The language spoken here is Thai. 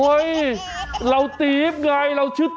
โอ๊ยเราติ๊มไงเราชื่อติ๊ม